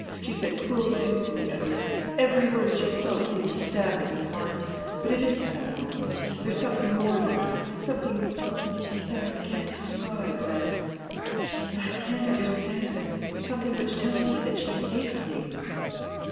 She said cruel things to me, Edward. Every word she spoke seemed to stab me to the heart; but it isn't that only. There's something more than that; something that I can't describe, that I can't understand; something which tells me that she hates me."